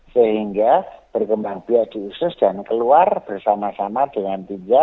sehingga berkembang biak di usus dan keluar bersama sama dengan timnya